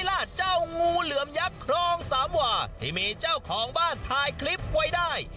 ลาดเจ้างูเหลือมยักษ์ครองสามหว่าที่มีเจ้าของบ้านถ่ายคลิปไว้ได้